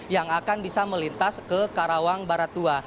yang akan bisa melintas ke karawang baratua